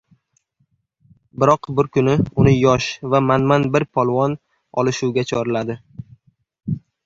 Biroq bir kuni uni yosh va manman bir polvon olishuvga chorladi.